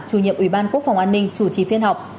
chủ nhiệm ủy ban quốc phòng an ninh chủ trì phiên họp